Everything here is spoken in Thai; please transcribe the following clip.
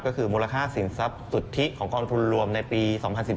ก็คือมูลค่าสินทรัพย์สุทธิของกองทุนรวมในปี๒๐๑๘